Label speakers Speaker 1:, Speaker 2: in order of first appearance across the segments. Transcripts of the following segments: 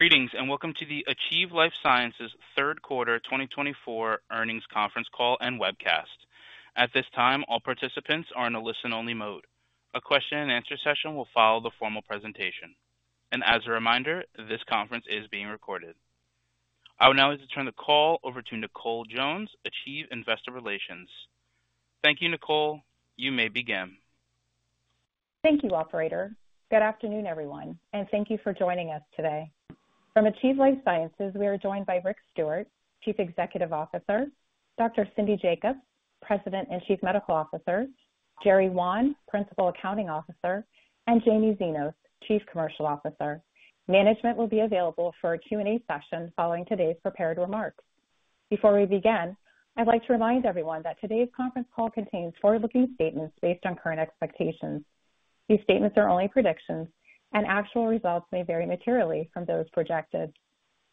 Speaker 1: Greetings and welcome to the Achieve Life Sciences third quarter 2024 earnings conference call and webcast. At this time, all participants are in a listen-only mode. A question-and-answer session will follow the formal presentation, and as a reminder, this conference is being recorded. I will now turn the call over to Nicole Jones, Achieve Investor Relations. Thank you, Nicole. You may begin.
Speaker 2: Thank you, Operator. Good afternoon, everyone, and thank you for joining us today. From Achieve Life Sciences, we are joined by Rick Stewart, Chief Executive Officer, Dr. Cindy Jacobs, President and Chief Medical Officer, Jerry Wan, Principal Accounting Officer, and Jaime Xinos, Chief Commercial Officer. Management will be available for a Q&A session following today's prepared remarks. Before we begin, I'd like to remind everyone that today's conference call contains forward-looking statements based on current expectations. These statements are only predictions, and actual results may vary materially from those projected.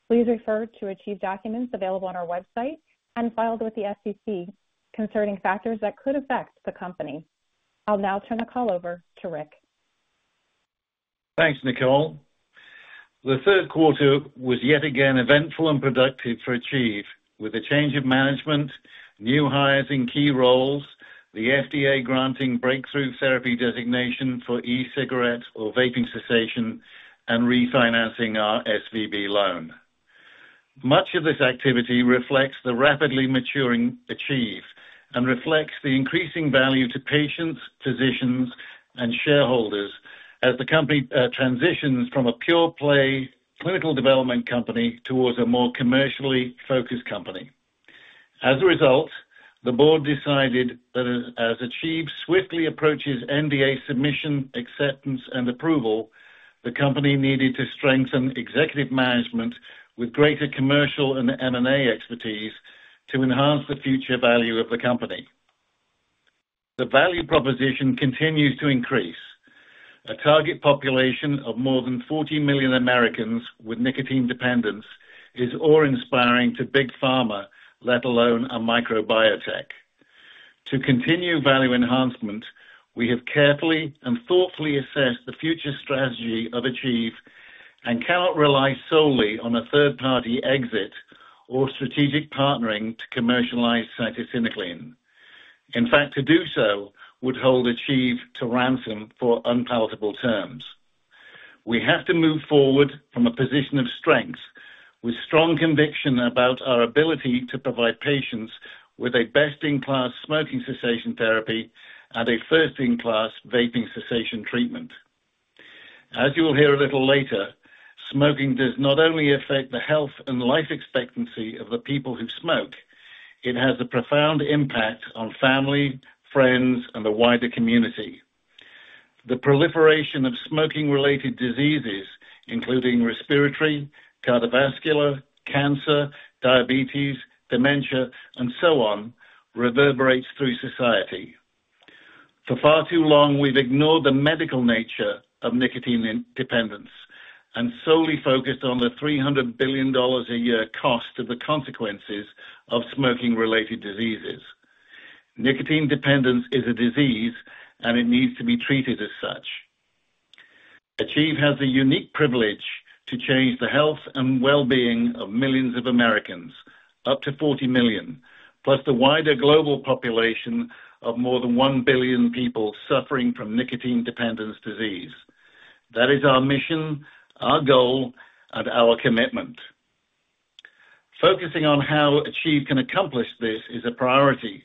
Speaker 2: Please refer to Achieve documents available on our website and filed with the SEC concerning factors that could affect the company. I'll now turn the call over to Rick.
Speaker 3: Thanks, Nicole. The third quarter was yet again eventful and productive for Achieve, with a change of management, new hires in key roles, the FDA granting Breakthrough Therapy designation for e-cigarette or vaping cessation, and refinancing our SVB loan. Much of this activity reflects the rapidly maturing Achieve and reflects the increasing value to patients, physicians, and shareholders as the company transitions from a pure-play clinical development company towards a more commercially focused company. As a result, the board decided that as Achieve swiftly approaches NDA submission, acceptance, and approval, the company needed to strengthen executive management with greater commercial and M&A expertise to enhance the future value of the company. The value proposition continues to increase. A target population of more than 40 million Americans with nicotine dependence is awe-inspiring to big pharma, let alone a micro biotech. To continue value enhancement, we have carefully and thoughtfully assessed the future strategy of Achieve and cannot rely solely on a third-party exit or strategic partnering to commercialize cytisinicline. In fact, to do so would hold Achieve to ransom for unpalatable terms. We have to move forward from a position of strength with strong conviction about our ability to provide patients with a best-in-class smoking cessation therapy and a first-in-class vaping cessation treatment. As you will hear a little later, smoking does not only affect the health and life expectancy of the people who smoke; it has a profound impact on family, friends, and the wider community. The proliferation of smoking-related diseases, including respiratory, cardiovascular, cancer, diabetes, dementia, and so on, reverberates through society. For far too long, we've ignored the medical nature of nicotine dependence and solely focused on the $300 billion a year cost of the consequences of smoking-related diseases. Nicotine dependence is a disease, and it needs to be treated as such. Achieve has the unique privilege to change the health and well-being of millions of Americans, up to 40 million, plus the wider global population of more than one billion people suffering from nicotine dependence disease. That is our mission, our goal, and our commitment. Focusing on how Achieve can accomplish this is a priority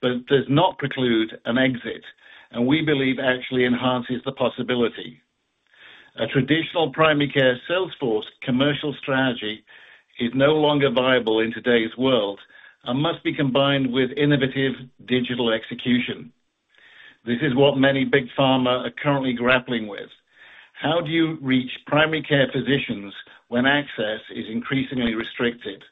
Speaker 3: but does not preclude an exit, and we believe actually enhances the possibility. A traditional primary care salesforce commercial strategy is no longer viable in today's world and must be combined with innovative digital execution. This is what many big pharma are currently grappling with. How do you reach primary care physicians when access is increasingly restricted?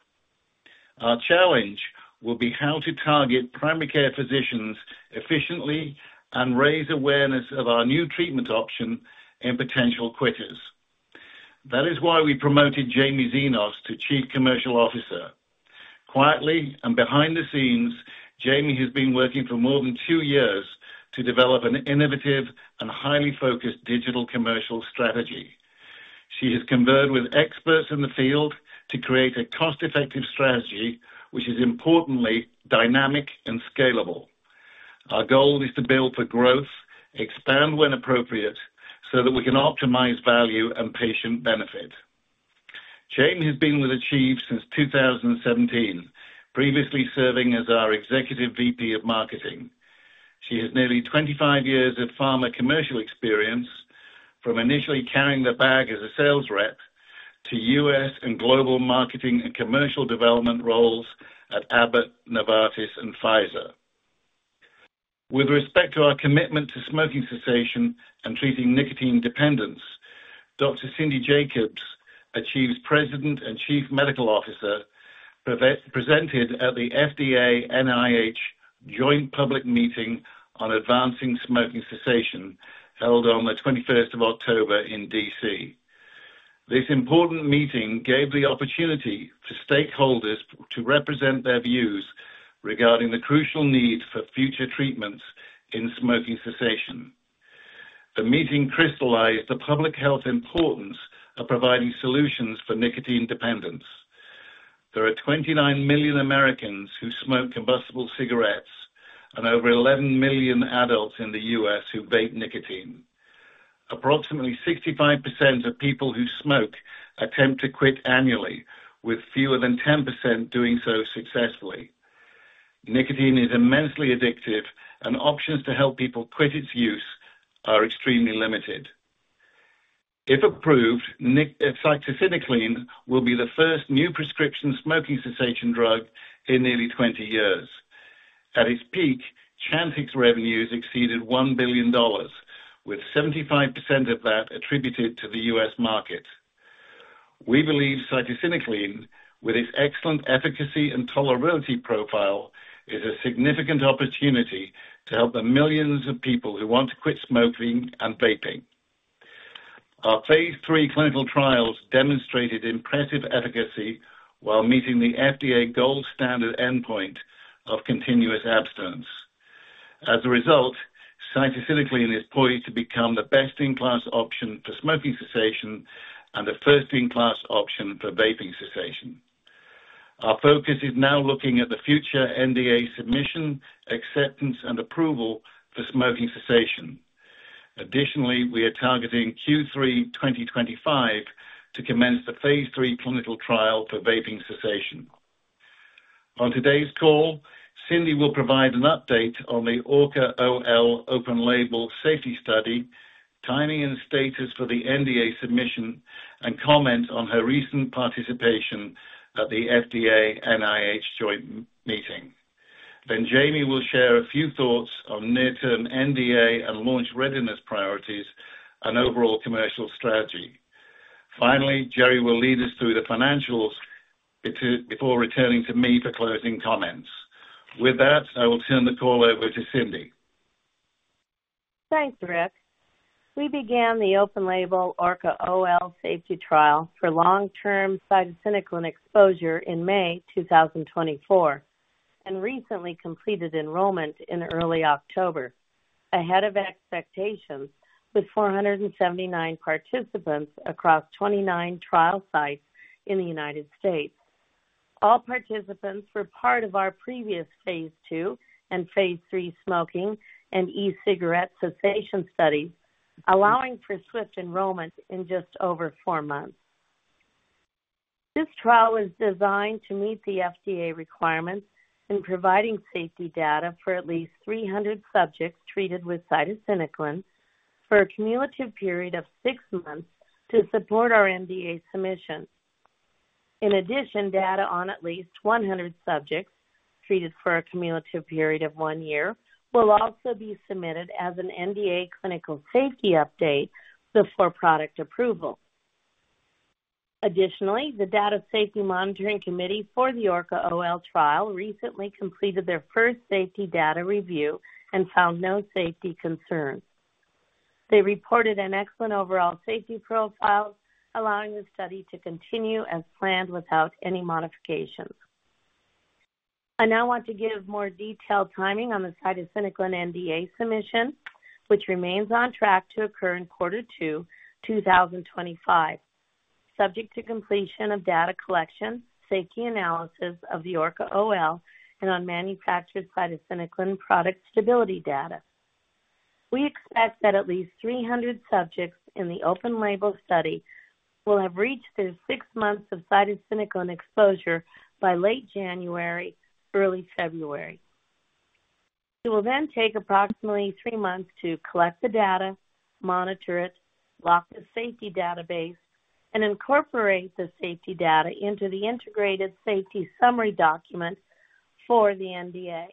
Speaker 3: Our challenge will be how to target primary care physicians efficiently and raise awareness of our new treatment option and potential quitters. That is why we promoted Jaime Xinos to Chief Commercial Officer. Quietly and behind the scenes, Jaime has been working for more than two years to develop an innovative and highly focused digital commercial strategy. She has converged with experts in the field to create a cost-effective strategy, which is importantly dynamic and scalable. Our goal is to build for growth, expand when appropriate, so that we can optimize value and patient benefit. Jaime has been with Achieve since 2017, previously serving as our Executive VP of Marketing. She has nearly 25 years of pharma commercial experience from initially carrying the bag as a sales rep to U.S. and global marketing and commercial development roles at Abbott, Novartis, and Pfizer. With respect to our commitment to smoking cessation and treating nicotine dependence, Dr. Cindy Jacobs, Achieve's President and Chief Medical Officer, presented at the FDA-NIH Joint Public Meeting on Advancing Smoking Cessation held on the 21st of October in D.C. This important meeting gave the opportunity for stakeholders to represent their views regarding the crucial need for future treatments in smoking cessation. The meeting crystallized the public health importance of providing solutions for nicotine dependence. There are 29 million Americans who smoke combustible cigarettes and over 11 million adults in the U.S. who vape nicotine. Approximately 65% of people who smoke attempt to quit annually, with fewer than 10% doing so successfully. Nicotine is immensely addictive, and options to help people quit its use are extremely limited. If approved, cytisinicline will be the first new prescription smoking cessation drug in nearly 20 years. At its peak, Chantix revenues exceeded $1 billion, with 75% of that attributed to the U.S. market. We believe cytisinicline, with its excellent efficacy and tolerability profile, is a significant opportunity to help the millions of people who want to quit smoking and vaping. Our phase III clinical trials demonstrated impressive efficacy while meeting the FDA gold standard endpoint of continuous abstinence. As a result, cytisinicline is poised to become the best-in-class option for smoking cessation and the first-in-class option for vaping cessation. Our focus is now looking at the future NDA submission, acceptance, and approval for smoking cessation. Additionally, we are targeting Q3 2025 to commence the phase III clinical trial for vaping cessation. On today's call, Cindy will provide an update on the ORCA-OL open-label safety study, timing and status for the NDA submission, and comment on her recent participation at the FDA-NIH Joint Meeting. Then Jaime will share a few thoughts on near-term NDA and launch readiness priorities and overall commercial strategy. Finally, Jerry will lead us through the financials before returning to me for closing comments. With that, I will turn the call over to Cindy.
Speaker 4: Thanks, Rick. We began the open-label ORCA-OL safety trial for long-term cytisinicline exposure in May 2024 and recently completed enrollment in early October, ahead of expectations with 479 participants across 29 trial sites in the United States. All participants were part of our previous phase II and phase III smoking and e-cigarette cessation studies, allowing for swift enrollment in just over four months. This trial was designed to meet the FDA requirements in providing safety data for at least 300 subjects treated with cytisinicline for a cumulative period of six months to support our NDA submission. In addition, data on at least 100 subjects treated for a cumulative period of one year will also be submitted as an NDA clinical safety update before product approval. Additionally, the Data Safety Monitoring Committee for the ORCA-OL trial recently completed their first safety data review and found no safety concerns. They reported an excellent overall safety profile, allowing the study to continue as planned without any modifications. I now want to give more detailed timing on the cytisinicline NDA submission, which remains on track to occur in quarter two 2025, subject to completion of data collection, safety analysis of the ORCA-OL, and on manufactured cytisinicline product stability data. We expect that at least 300 subjects in the open-label study will have reached their six months of cytisinicline exposure by late January, early February. It will then take approximately three months to collect the data, monitor it, lock the safety database, and incorporate the safety data into the integrated safety summary document for the NDA.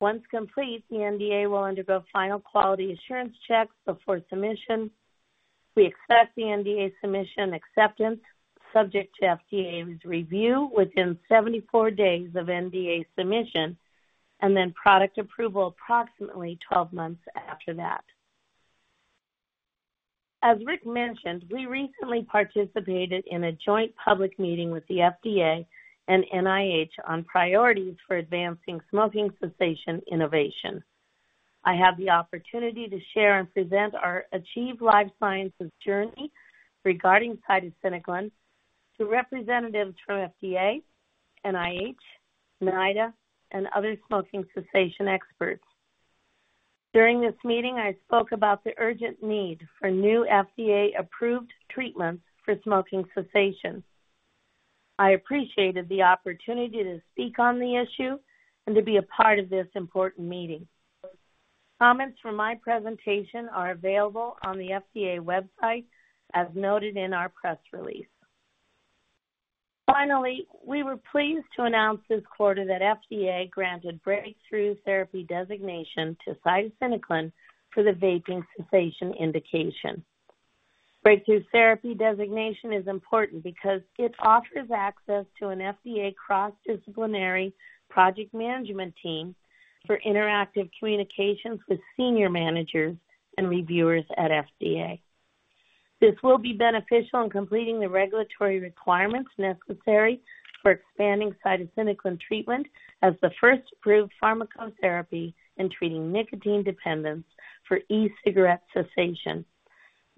Speaker 4: Once complete, the NDA will undergo final quality assurance checks before submission. We expect the NDA submission acceptance, subject to FDA's review within 74 days of NDA submission, and then product approval approximately 12 months after that. As Rick mentioned, we recently participated in a joint public meeting with the FDA and NIH on priorities for advancing smoking cessation innovation. I have the opportunity to share and present our Achieve Life Sciences Journey regarding cytisinicline to representatives from FDA, NIH, NIDA, and other smoking cessation experts. During this meeting, I spoke about the urgent need for new FDA-approved treatments for smoking cessation. I appreciated the opportunity to speak on the issue and to be a part of this important meeting. Comments for my presentation are available on the FDA website as noted in our press release. Finally, we were pleased to announce this quarter that FDA granted breakthrough therapy designation to cytisinicline for the vaping cessation indication. Breakthrough Therapy designation is important because it offers access to an FDA cross-disciplinary project management team for interactive communications with senior managers and reviewers at FDA. This will be beneficial in completing the regulatory requirements necessary for expanding cytisinicline treatment as the first approved pharmacotherapy in treating nicotine dependence for e-cigarette cessation,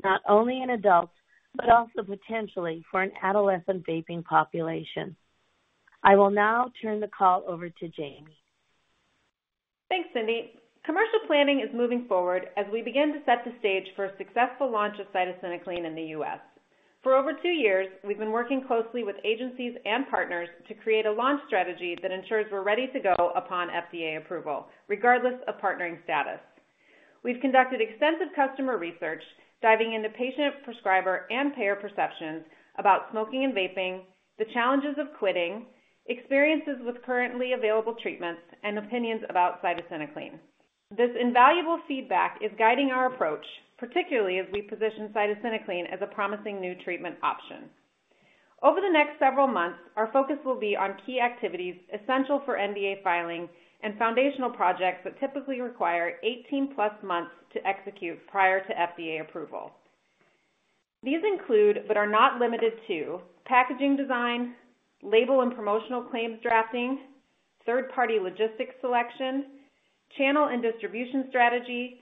Speaker 4: not only in adults but also potentially for an adolescent vaping population. I will now turn the call over to Jaime.
Speaker 5: Thanks, Cindy. Commercial planning is moving forward as we begin to set the stage for a successful launch of cytisinicline in the U.S. For over two years, we've been working closely with agencies and partners to create a launch strategy that ensures we're ready to go upon FDA approval, regardless of partnering status. We've conducted extensive customer research, diving into patient, prescriber, and payer perceptions about smoking and vaping, the challenges of quitting, experiences with currently available treatments, and opinions about cytisinicline. This invaluable feedback is guiding our approach, particularly as we position cytisinicline as a promising new treatment option. Over the next several months, our focus will be on key activities essential for NDA filing and foundational projects that typically require 18+ months to execute prior to FDA approval. These include but are not limited to packaging design, label and promotional claims drafting, third-party logistics selection, channel and distribution strategy,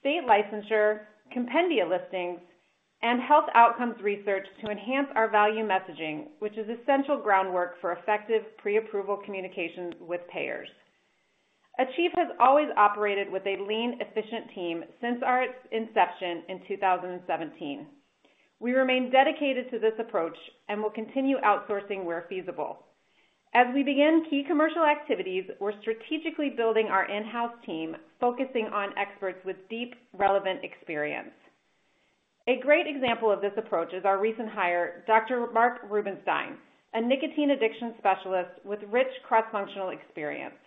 Speaker 5: state licensure, compendia listings, and health outcomes research to enhance our value messaging, which is essential groundwork for effective pre-approval communications with payers. Achieve has always operated with a lean, efficient team since our inception in 2017. We remain dedicated to this approach and will continue outsourcing where feasible. As we begin key commercial activities, we're strategically building our in-house team, focusing on experts with deep, relevant experience. A great example of this approach is our recent hire, Dr. Mark Rubinstein, a nicotine addiction specialist with rich cross-functional experience.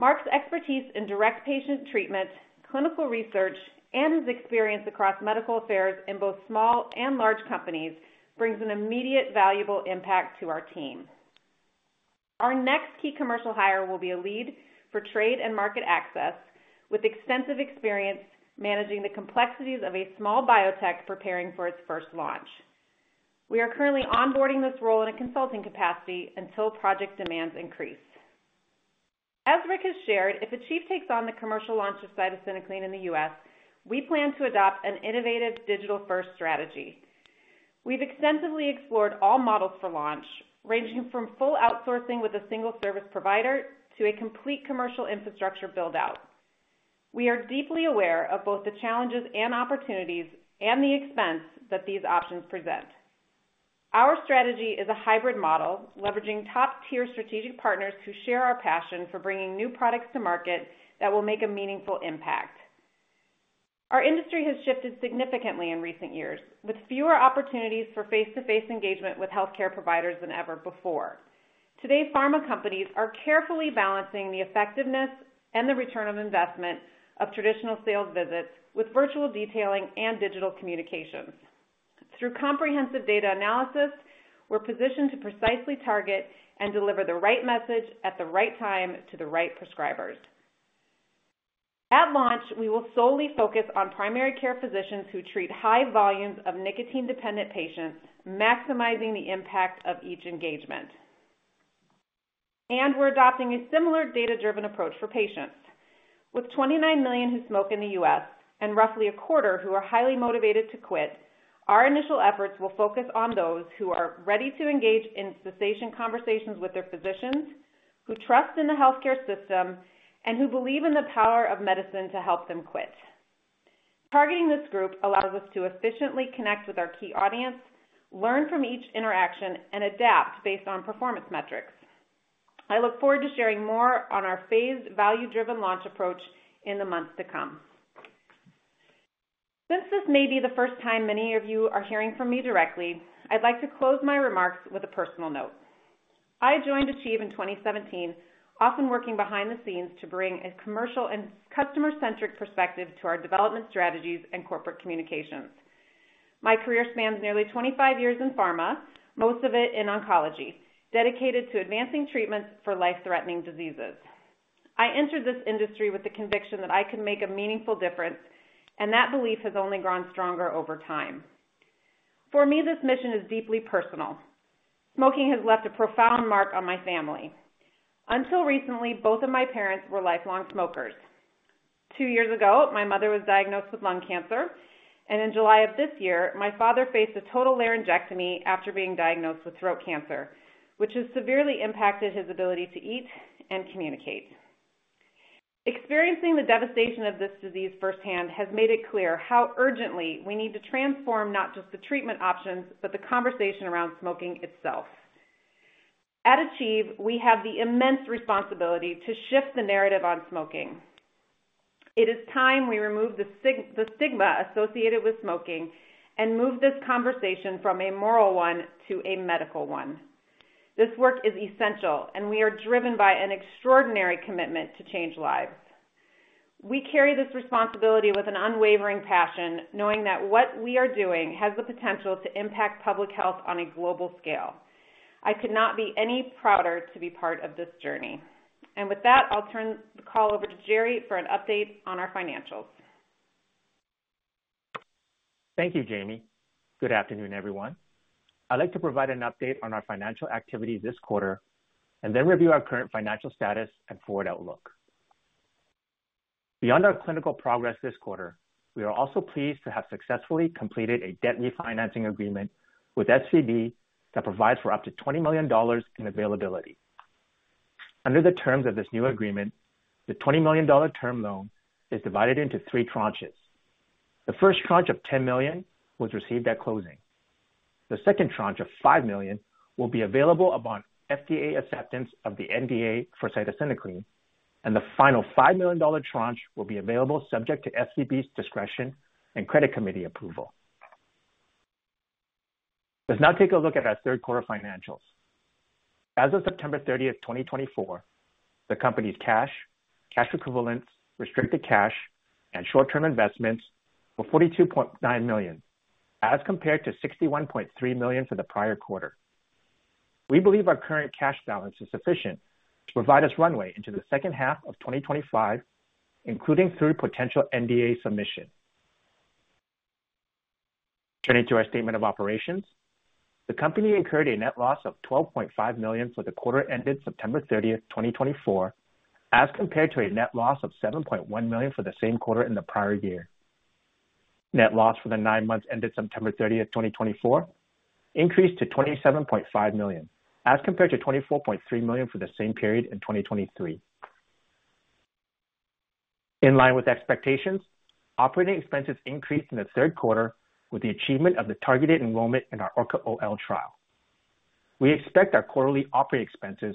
Speaker 5: Mark's expertise in direct patient treatment, clinical research, and his experience across medical affairs in both small and large companies brings an immediate, valuable impact to our team. Our next key commercial hire will be a lead for trade and market access with extensive experience managing the complexities of a small biotech preparing for its first launch. We are currently onboarding this role in a consulting capacity until project demands increase. As Rick has shared, if Achieve takes on the commercial launch of cytisinicline in the U.S., we plan to adopt an innovative digital-first strategy. We've extensively explored all models for launch, ranging from full outsourcing with a single service provider to a complete commercial infrastructure build-out. We are deeply aware of both the challenges and opportunities and the expense that these options present. Our strategy is a hybrid model, leveraging top-tier strategic partners who share our passion for bringing new products to market that will make a meaningful impact. Our industry has shifted significantly in recent years, with fewer opportunities for face-to-face engagement with healthcare providers than ever before. Today, pharma companies are carefully balancing the effectiveness and the return on investment of traditional sales visits with virtual detailing and digital communications. Through comprehensive data analysis, we're positioned to precisely target and deliver the right message at the right time to the right prescribers. At launch, we will solely focus on primary care physicians who treat high volumes of nicotine-dependent patients, maximizing the impact of each engagement. And we're adopting a similar data-driven approach for patients. With 29 million who smoke in the U.S. And roughly a quarter who are highly motivated to quit, our initial efforts will focus on those who are ready to engage in cessation conversations with their physicians, who trust in the healthcare system, and who believe in the power of medicine to help them quit. Targeting this group allows us to efficiently connect with our key audience, learn from each interaction, and adapt based on performance metrics. I look forward to sharing more on our phased value-driven launch approach in the months to come. Since this may be the first time many of you are hearing from me directly, I'd like to close my remarks with a personal note. I joined Achieve in 2017, often working behind the scenes to bring a commercial and customer-centric perspective to our development strategies and corporate communications. My career spans nearly 25 years in pharma, most of it in oncology, dedicated to advancing treatments for life-threatening diseases. I entered this industry with the conviction that I could make a meaningful difference, and that belief has only grown stronger over time. For me, this mission is deeply personal. Smoking has left a profound mark on my family. Until recently, both of my parents were lifelong smokers. Two years ago, my mother was diagnosed with lung cancer, and in July of this year, my father faced a total laryngectomy after being diagnosed with throat cancer, which has severely impacted his ability to eat and communicate. Experiencing the devastation of this disease firsthand has made it clear how urgently we need to transform not just the treatment options but the conversation around smoking itself. At Achieve, we have the immense responsibility to shift the narrative on smoking. It is time we remove the stigma associated with smoking and move this conversation from a moral one to a medical one. This work is essential, and we are driven by an extraordinary commitment to change lives. We carry this responsibility with an unwavering passion, knowing that what we are doing has the potential to impact public health on a global scale. I could not be any prouder to be part of this journey, and with that, I'll turn the call over to Jerry for an update on our financials.
Speaker 6: Thank you, Jaime. Good afternoon, everyone. I'd like to provide an update on our financial activity this quarter and then review our current financial status and forward outlook. Beyond our clinical progress this quarter, we are also pleased to have successfully completed a debt refinancing agreement with SVB that provides for up to $20 million in availability. Under the terms of this new agreement, the $20 million term loan is divided into three tranches. The first tranche of $10 million was received at closing. The second tranche of $5 million will be available upon FDA acceptance of the NDA for cytisinicline, and the final $5 million tranche will be available subject to SVB's discretion and credit committee approval. Let's now take a look at our third quarter financials. As of September 30th, 2024, the company's cash, cash equivalents, restricted cash, and short-term investments were $42.9 million, as compared to $61.3 million for the prior quarter. We believe our current cash balance is sufficient to provide us runway into the second half of 2025, including through potential NDA submission. Turning to our statement of operations, the company incurred a net loss of $12.5 million for the quarter ended September 30th, 2024, as compared to a net loss of $7.1 million for the same quarter in the prior year. Net loss for the nine months ended September 30th, 2024, increased to $27.5 million, as compared to $24.3 million for the same period in 2023. In line with expectations, operating expenses increased in the third quarter with the achievement of the targeted enrollment in our ORCA-OL trial. We expect our quarterly operating expenses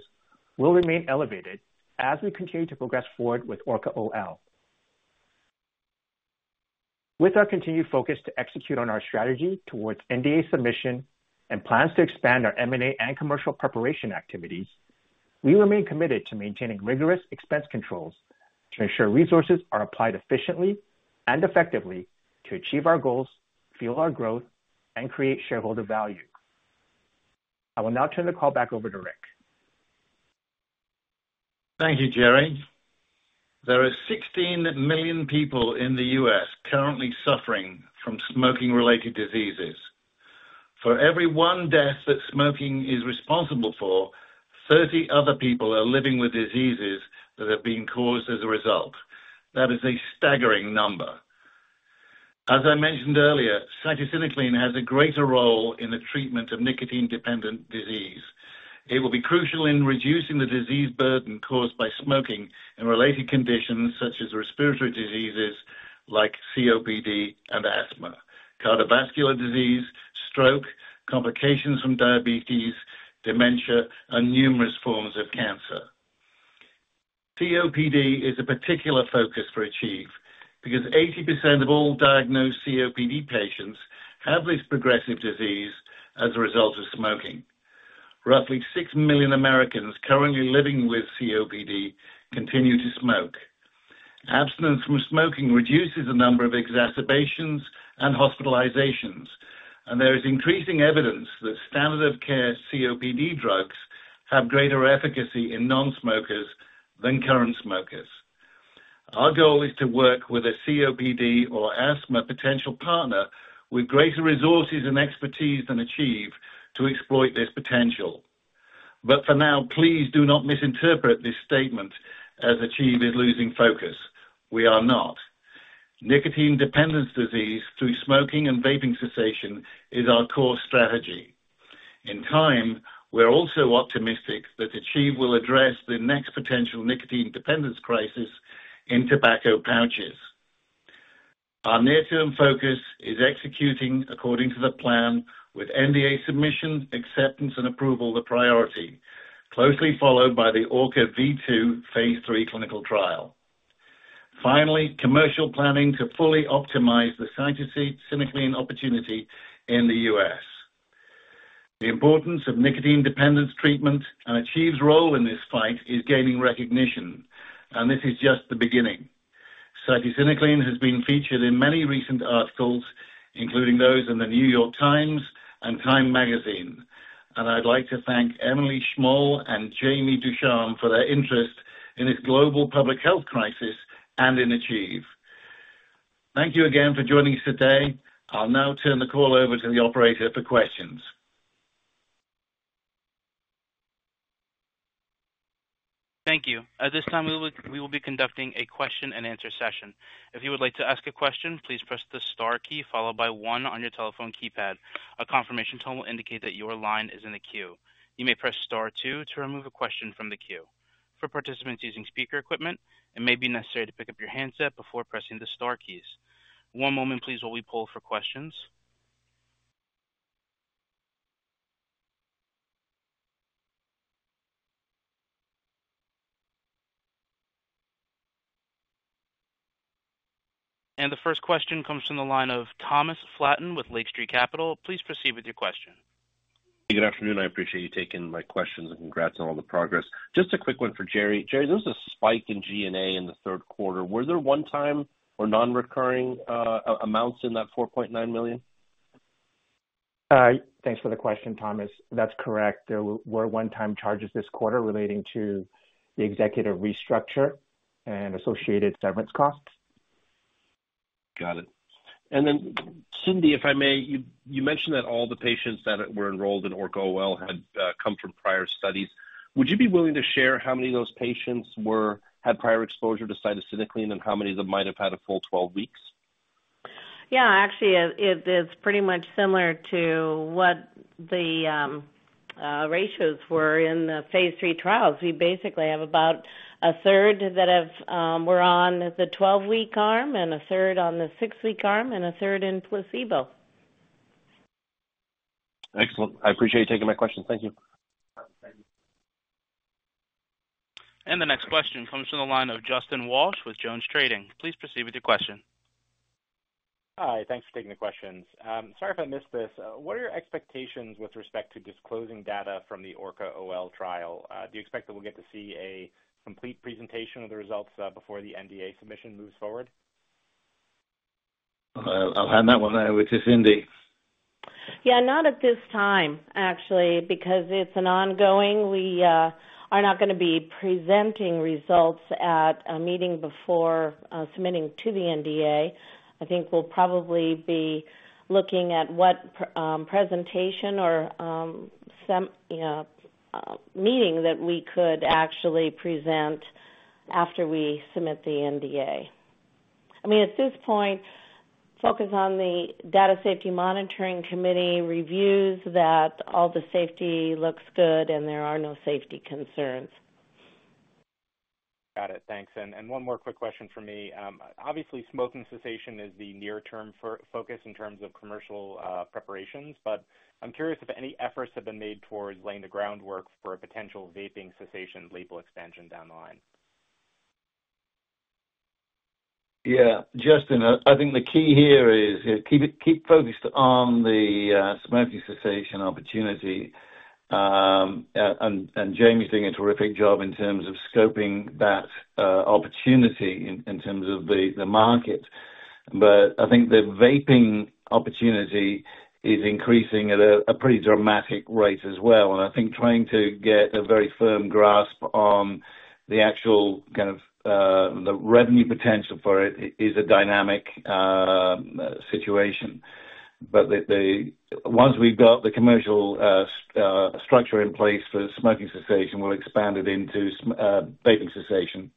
Speaker 6: will remain elevated as we continue to progress forward with ORCA-OL. With our continued focus to execute on our strategy towards NDA submission and plans to expand our M&A and commercial preparation activities, we remain committed to maintaining rigorous expense controls to ensure resources are applied efficiently and effectively to achieve our goals, fuel our growth, and create shareholder value. I will now turn the call back over to Rick.
Speaker 3: Thank you, Jerry. There are 16 million people in the U.S. currently suffering from smoking-related diseases. For every one death that smoking is responsible for, 30 other people are living with diseases that have been caused as a result. That is a staggering number. As I mentioned earlier, cytisinicline has a greater role in the treatment of nicotine-dependent disease. It will be crucial in reducing the disease burden caused by smoking and related conditions such as respiratory diseases like COPD and asthma, cardiovascular disease, stroke, complications from diabetes, dementia, and numerous forms of cancer. COPD is a particular focus for Achieve because 80% of all diagnosed COPD patients have this progressive disease as a result of smoking. Roughly 6 million Americans currently living with COPD continue to smoke. Abstinence from smoking reduces the number of exacerbations and hospitalizations, and there is increasing evidence that standard-of-care COPD drugs have greater efficacy in nonsmokers than current smokers. Our goal is to work with a COPD or asthma potential partner with greater resources and expertise than Achieve to exploit this potential. But for now, please do not misinterpret this statement as Achieve is losing focus. We are not. Nicotine-dependence disease through smoking and vaping cessation is our core strategy. In time, we're also optimistic that Achieve will address the next potential nicotine-dependence crisis in tobacco pouches. Our near-term focus is executing according to the plan with NDA submission, acceptance, and approval the priority, closely followed by the ORCA-V2 phase III clinical trial. Finally, commercial planning to fully optimize the cytisinicline opportunity in the U.S. The importance of nicotine-dependence treatment and Achieve's role in this fight is gaining recognition, and this is just the beginning. Cytisinicline has been featured in many recent articles, including those in The New York Times and Time Magazine. And I'd like to thank Emily Schmall and Jamie Ducharme for their interest in this global public health crisis and in Achieve. Thank you again for joining us today. I'll now turn the call over to the operator for questions.
Speaker 1: Thank you. At this time, we will be conducting a question-and-answer session. If you would like to ask a question, please press the star key followed by one on your telephone keypad. A confirmation tone will indicate that your line is in the queue. You may press star two to remove a question from the queue. For participants using speaker equipment, it may be necessary to pick up your handset before pressing the star keys. One moment, please, while we pull for questions, and the first question comes from the line of Thomas Flaten with Lake Street Capital. Please proceed with your question.
Speaker 7: Good afternoon. I appreciate you taking my questions and congrats on all the progress. Just a quick one for Jerry. Jerry, there was a spike in G&A in the third quarter. Were there one-time or non-recurring amounts in that $4.9 million?
Speaker 6: Thanks for the question, Thomas. That's correct. There were one-time charges this quarter relating to the executive restructure and associated severance costs.
Speaker 7: Got it. And then, Cindy, if I may, you mentioned that all the patients that were enrolled in ORCA-OL had come from prior studies. Would you be willing to share how many of those patients had prior exposure to cytisinicline and how many of them might have had a full 12 weeks?
Speaker 4: Yeah. Actually, it is pretty much similar to what the ratios were in the phase III trials. We basically have about 1/3 that were on the 12-week arm and 1/3 on the 6-week arm and 1/3 in placebo.
Speaker 7: Excellent. I appreciate you taking my questions. Thank you.
Speaker 1: The next question comes from the line of Justin Walsh with JonesTrading. Please proceed with your question.
Speaker 8: Hi. Thanks for taking the questions. Sorry if I missed this. What are your expectations with respect to disclosing data from the ORCA-OL trial? Do you expect that we'll get to see a complete presentation of the results before the NDA submission moves forward?
Speaker 3: I'll hand that one over to Cindy.
Speaker 4: Yeah. Not at this time, actually, because it's an ongoing. We are not going to be presenting results at a meeting before submitting to the NDA. I think we'll probably be looking at what presentation or meeting that we could actually present after we submit the NDA. I mean, at this point, focus on the Data Safety Monitoring Committee reviews that all the safety looks good and there are no safety concerns.
Speaker 8: Got it. Thanks, and one more quick question for me. Obviously, smoking cessation is the near-term focus in terms of commercial preparations, but I'm curious if any efforts have been made towards laying the groundwork for a potential vaping cessation label expansion down the line?
Speaker 3: Yeah. Justin, I think the key here is keep focused on the smoking cessation opportunity. And Jaime's doing a terrific job in terms of scoping that opportunity in terms of the market. But I think the vaping opportunity is increasing at a pretty dramatic rate as well. And I think trying to get a very firm grasp on the actual kind of the revenue potential for it is a dynamic situation. But once we've got the commercial structure in place for smoking cessation, we'll expand it into vaping cessation.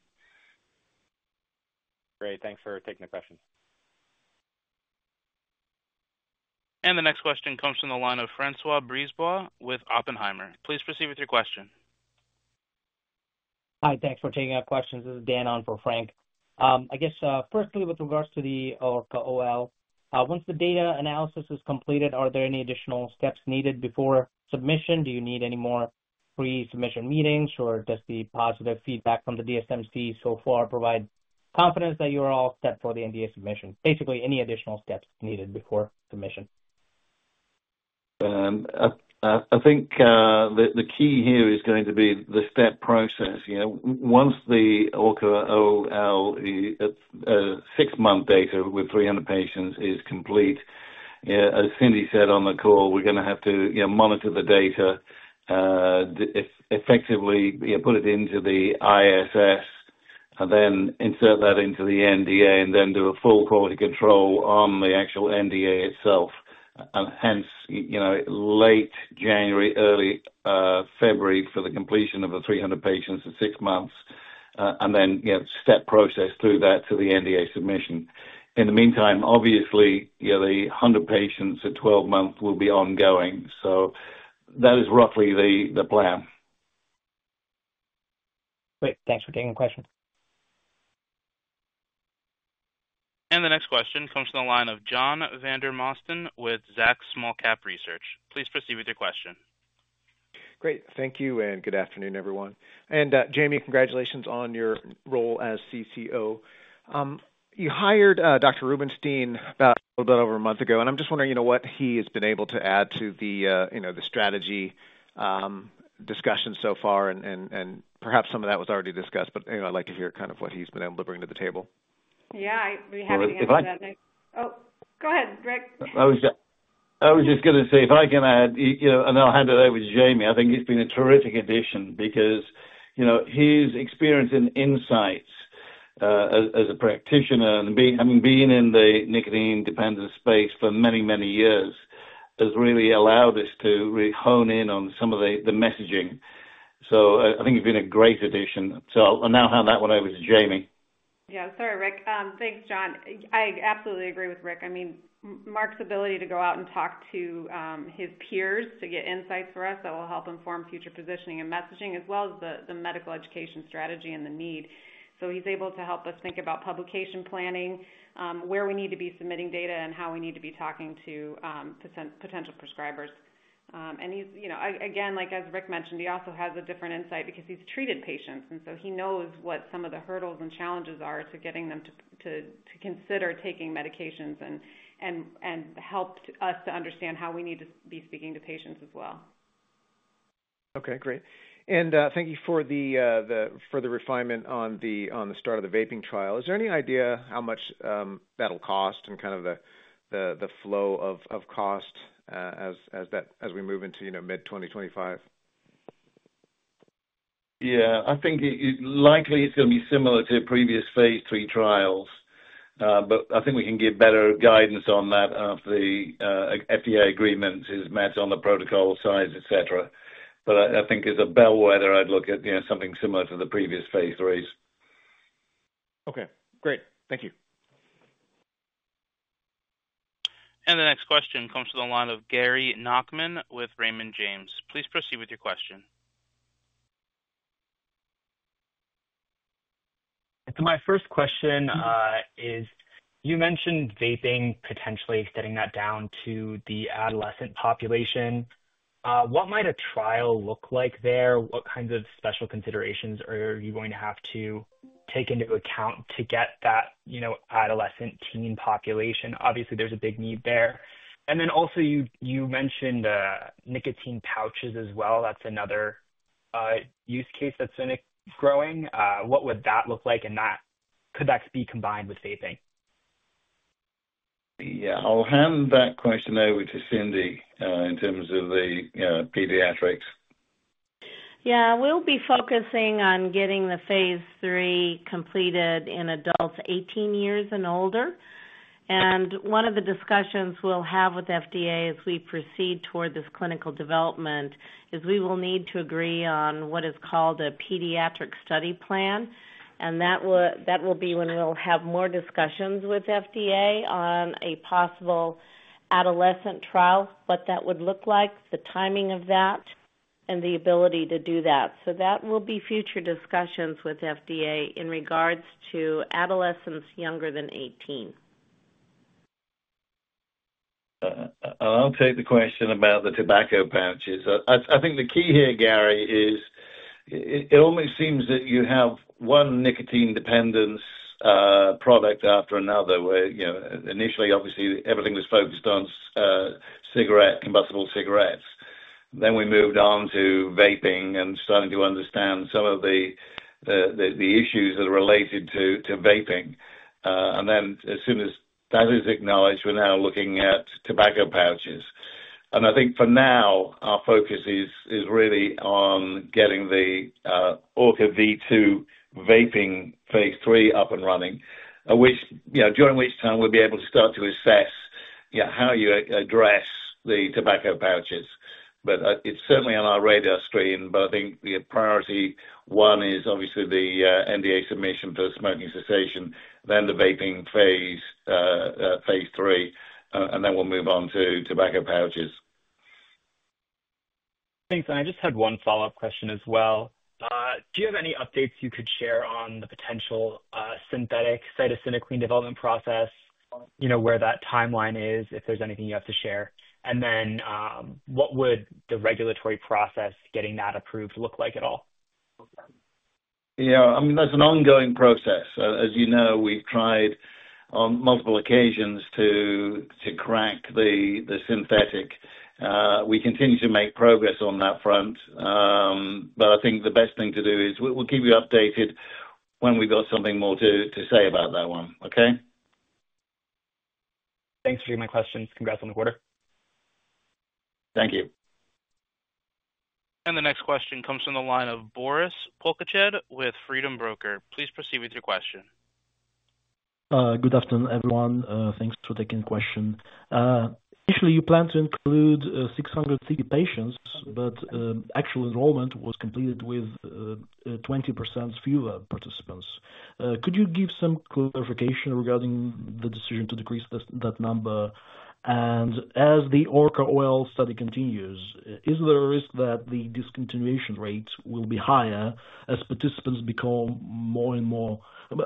Speaker 8: Great. Thanks for taking the questions.
Speaker 1: The next question comes from the line of François Brisebois with Oppenheimer. Please proceed with your question. Hi. Thanks for taking our questions. This is Danon for François. I guess, firstly, with regards to the ORCA-OL, once the data analysis is completed, are there any additional steps needed before submission? Do you need any more pre-submission meetings, or does the positive feedback from the DSMC so far provide confidence that you're all set for the NDA submission? Basically, any additional steps needed before submission?
Speaker 3: I think the key here is going to be the step process. Once the ORCA-OL six-month data with 300 patients is complete, as Cindy said on the call, we're going to have to monitor the data, effectively put it into the ISS, then insert that into the NDA, and then do a full quality control on the actual NDA itself, and hence, late January, early February for the completion of the 300 patients in six months, and then step process through that to the NDA submission. In the meantime, obviously, the 100 patients at 12 months will be ongoing, so that is roughly the plan. Great. Thanks for taking the question.
Speaker 1: The next question comes from the line of John Vandermosten with Zacks Small-Cap Research. Please proceed with your question.
Speaker 9: Great. Thank you and good afternoon, everyone. And Jaime, congratulations on your role as CCO. You hired Dr. Rubinstein about a little bit over a month ago, and I'm just wondering what he has been able to add to the strategy discussion so far, and perhaps some of that was already discussed, but I'd like to hear kind of what he's been able to bring to the table.
Speaker 5: Yeah. We have the answer to that. Oh, go ahead, Rick.
Speaker 3: I was just going to say, if I can add, and I'll hand it over to Jaime, I think it's been a terrific addition because his experience and insights as a practitioner, and being in the nicotine-dependent space for many, many years, has really allowed us to really hone in on some of the messaging. So I think it's been a great addition. So I'll now hand that one over to Jaime.
Speaker 5: Yeah. Sorry, Rick. Thanks, John. I absolutely agree with Rick. I mean, Mark's ability to go out and talk to his peers to get insights for us that will help inform future positioning and messaging, as well as the medical education strategy and the need, so he's able to help us think about publication planning, where we need to be submitting data, and how we need to be talking to potential prescribers, and again, like as Rick mentioned, he also has a different insight because he's treated patients, and so he knows what some of the hurdles and challenges are to getting them to consider taking medications and helped us to understand how we need to be speaking to patients as well.
Speaker 9: Okay. Great, and thank you for the refinement on the start of the vaping trial. Is there any idea how much that'll cost and kind of the flow of cost as we move into mid-2025?
Speaker 3: Yeah. I think likely it's going to be similar to previous phase III trials, but I think we can get better guidance on that after the FDA agreement is met on the protocol side, etc. But I think as a bellwether, I'd look at something similar to the previous phase IIIs.
Speaker 9: Okay. Great. Thank you.
Speaker 1: The next question comes from the line of Gary Nachman with Raymond James. Please proceed with your question.
Speaker 10: So my first question is, you mentioned vaping potentially extending that down to the adolescent population. What might a trial look like there? What kinds of special considerations are you going to have to take into account to get that adolescent teen population? Obviously, there's a big need there. And then also, you mentioned nicotine pouches as well. That's another use case that's growing. What would that look like, and could that be combined with vaping?
Speaker 3: Yeah. I'll hand that question over to Cindy in terms of the pediatrics.
Speaker 4: Yeah. We'll be focusing on getting the phase III completed in adults 18 years and older. And one of the discussions we'll have with FDA as we proceed toward this clinical development is we will need to agree on what is called a pediatric study plan. And that will be when we'll have more discussions with FDA on a possible adolescent trial, what that would look like, the timing of that, and the ability to do that. So that will be future discussions with FDA in regards to adolescents younger than 18.
Speaker 3: I'll take the question about the tobacco pouches. I think the key here, Gary, is it almost seems that you have one nicotine-dependence product after another where initially, obviously, everything was focused on cigarette, combustible cigarettes. Then we moved on to vaping and starting to understand some of the issues that are related to vaping. And then as soon as that is acknowledged, we're now looking at tobacco pouches. And I think for now, our focus is really on getting the ORCA-V2 vaping phase III up and running, during which time we'll be able to start to assess how you address the tobacco pouches. But it's certainly on our radar screen. But I think priority one is obviously the NDA submission for smoking cessation, then the vaping phase III, and then we'll move on to tobacco pouches.
Speaker 10: Thanks. I just had one follow-up question as well. Do you have any updates you could share on the potential synthetic cytisinicline development process, where that timeline is, if there's anything you have to share? Then what would the regulatory process getting that approved look like at all?
Speaker 3: Yeah. I mean, that's an ongoing process. As you know, we've tried on multiple occasions to crack the synthetic. We continue to make progress on that front. But I think the best thing to do is we'll keep you updated when we've got something more to say about that one. Okay?
Speaker 10: Thanks for taking my questions. Congrats on the order.
Speaker 3: Thank you.
Speaker 1: The next question comes from the line of Boris Tolkachev with Freedom Broker. Please proceed with your question.
Speaker 11: Good afternoon, everyone. Thanks for taking the question. Initially, you planned to include 650 patients, but actual enrollment was completed with 20% fewer participants. Could you give some clarification regarding the decision to decrease that number? And as the ORCA-OL study continues, is there a risk that the discontinuation rate will be higher as participants become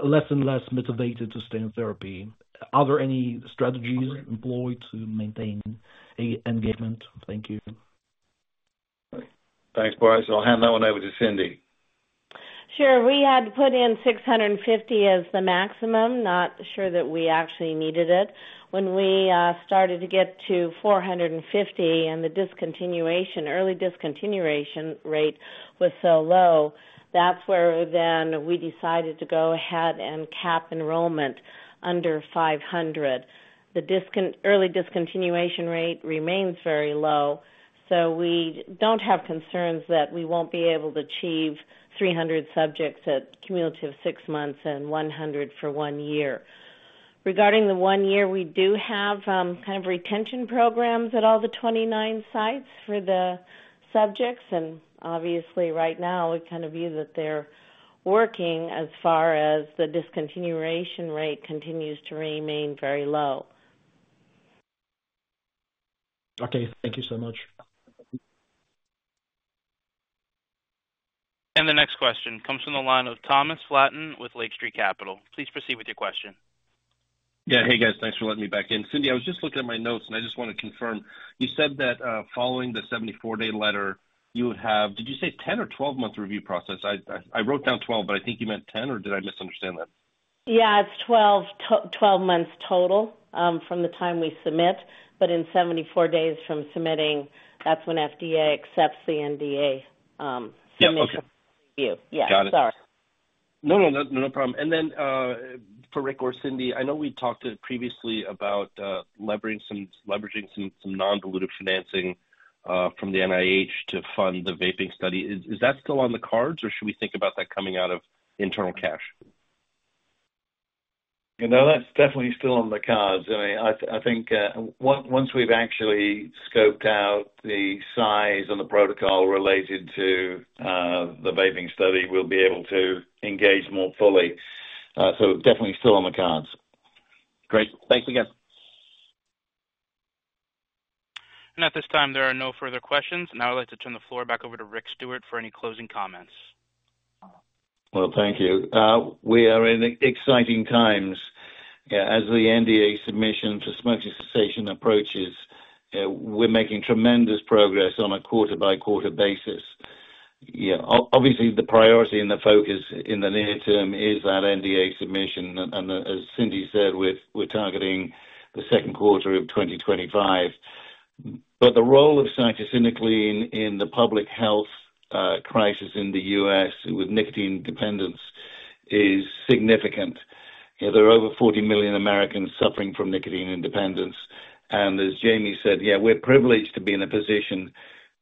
Speaker 11: less and less motivated to stay in therapy? Are there any strategies employed to maintain engagement? Thank you.
Speaker 3: Thanks, Boris. I'll hand that one over to Cindy.
Speaker 4: Sure. We had put in 650 as the maximum, not sure that we actually needed it. When we started to get to 450 and the early discontinuation rate was so low, that's where then we decided to go ahead and cap enrollment under 500. The early discontinuation rate remains very low, so we don't have concerns that we won't be able to achieve 300 subjects at cumulative six months and 100 for one year. Regarding the one year, we do have kind of retention programs at all the 29 sites for the subjects. Obviously, right now, we kind of view that they're working as far as the discontinuation rate continues to remain very low.
Speaker 11: Okay. Thank you so much.
Speaker 1: And the next question comes from the line of Thomas Flaten with Lake Street Capital. Please proceed with your question.
Speaker 7: Yeah. Hey, guys. Thanks for letting me back in. Cindy, I was just looking at my notes, and I just want to confirm. You said that following the 74-day letter, you would have, did you say 10 or 12-month review process? I wrote down 12, but I think you meant 10, or did I misunderstand that?
Speaker 4: Yeah. It's 12 months total from the time we submit, but in 74 days from submitting, that's when FDA accepts the NDA. So it was a review. Yeah. Sorry.
Speaker 7: Got it. No, no, no. No problem. And then for Rick or Cindy, I know we talked previously about leveraging some non-dilutive financing from the NIH to fund the vaping study. Is that still on the cards, or should we think about that coming out of internal cash?
Speaker 3: No, that's definitely still on the cards, and I think once we've actually scoped out the size and the protocol related to the vaping study, we'll be able to engage more fully, so definitely still on the cards.
Speaker 7: Great. Thanks again.
Speaker 1: At this time, there are no further questions. Now I'd like to turn the floor back over to Rick Stewart for any closing comments.
Speaker 3: Thank you. We are in exciting times. As the NDA submission for smoking cessation approaches, we're making tremendous progress on a quarter-by-quarter basis. Obviously, the priority and the focus in the near term is that NDA submission, and as Cindy said, we're targeting the second quarter of 2025, but the role of cytisinicline in the public health crisis in the U.S. with nicotine dependence is significant. There are over 40 million Americans suffering from nicotine dependence. And as Jaime said, yeah, we're privileged to be in a position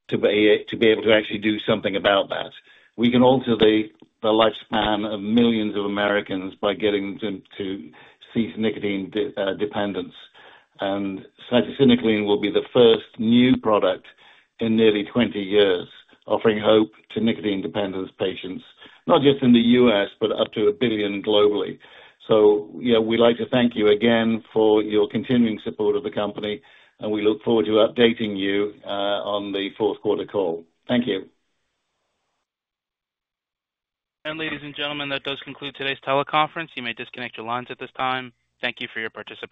Speaker 3: to be able to actually do something about that. We can alter the lifespan of millions of Americans by getting them to cease nicotine dependence, and cytisinicline will be the first new product in nearly 20 years, offering hope to nicotine dependence patients, not just in the U.S., but up to a billion globally. We'd like to thank you again for your continuing support of the company, and we look forward to updating you on the fourth quarter call. Thank you.
Speaker 1: Ladies and gentlemen, that does conclude today's teleconference. You may disconnect your lines at this time. Thank you for your participation.